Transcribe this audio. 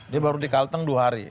dia baru di kalteng dua hari